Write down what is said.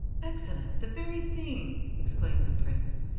"Excellent! the very thing!" exclaimed the Prince.